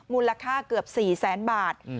มูลค่าเกือบ๔๐๐๐๐๐บาท